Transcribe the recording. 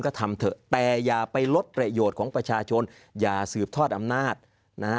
ก็ทำเถอะแต่อย่าไปลดประโยชน์ของประชาชนอย่าสืบทอดอำนาจนะฮะ